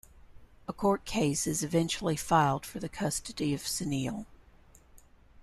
A court case is eventually filed for the custody of Sunil.